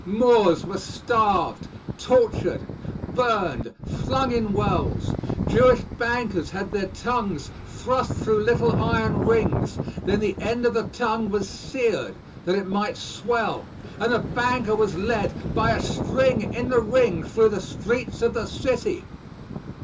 Moors were starved, tortured, burned, flung in wells, Jewish bankers had their tongues thrust through little iron rings; then the end of the tongue was seared that it might swell, and the banker was led by a string in the ring through the streets of the city.